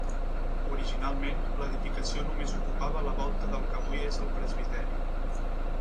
Originalment, l'edificació només ocupava la volta del que avui és el presbiteri.